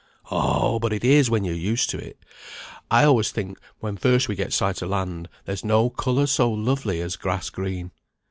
"Oh! but it is when you're used to it. I always think when first we get sight of land, there's no colour so lovely as grass green.